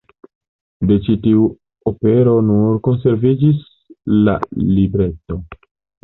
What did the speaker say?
De ĉi tiu opero nur konserviĝis la libreto.